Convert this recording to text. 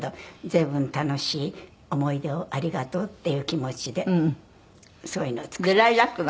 随分楽しい思い出をありがとうっていう気持ちでそういうのを作りました。